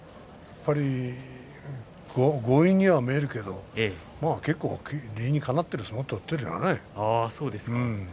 やっぱり強引には見えるけど結構、理にかなっている相撲を取っているよね。